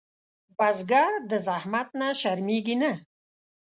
بزګر د زحمت نه شرمېږي نه